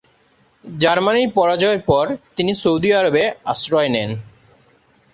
জার্মানির পরাজয়ের পর তিনি সৌদি আরবে আশ্রয় নেন।